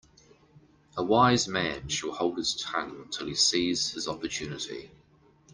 A wise man shall hold his tongue till he sees his opportunity.